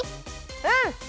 うん！